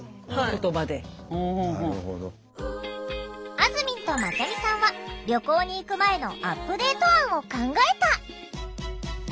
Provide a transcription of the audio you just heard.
あずみんとまちゃみさんは「旅行に行く前」のアップデート案を考えた！